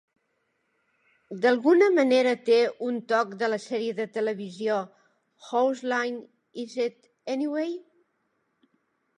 D'alguna manera té un toc de la sèrie de televisió "Whose Line Is It Anyway?".